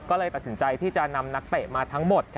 ก็เลยตัดสินใจที่จะนำนักเตะมาทั้งหมด